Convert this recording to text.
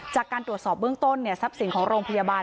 จากการตรวจสอบเบื้องต้นทรัพย์สินของโรงพยาบาล